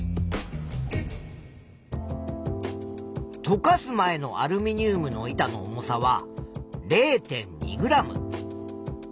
とかす前のアルミニウムの板の重さは０．２ｇ。